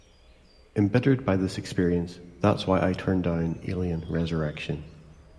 Embittered by this experience, that's why I turned down "Alien Resurrection".